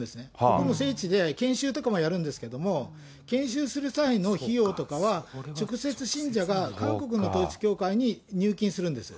ここの聖地で研修とかもやるんですけども、研修する際の費用とかは、直接信者が、韓国の統一教会に入金するんです。